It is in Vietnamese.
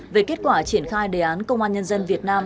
về kết quả triển khai đề án công an nhân dân việt nam